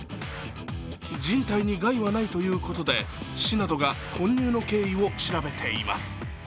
人体に害はないということで、市などが混入の経緯を調べています。